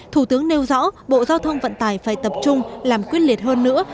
thủ tướng nêu rõ bộ giao thông vận tải phải tập trung làm quyết liệt hơn nữa